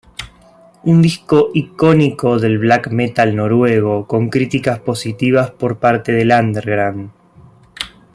Un disco icónico del black metal noruego, con críticas positivas por parte del underground.